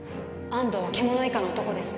安藤は獣以下の男です。